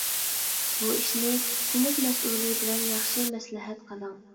بۇ ئىشنى سىنىپ مەسئۇلى بىلەن ياخشى مەسلىھەت قىلىڭ.